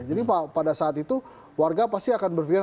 jadi pada saat itu warga pasti akan berpikir